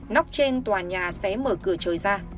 nóc trên tòa nhà sẽ mở cửa trời ra